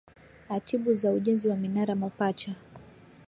atibu za ujenzi wa minara mapacha